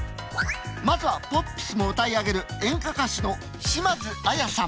まずはポップスも歌い上げる演歌歌手の島津亜矢さん。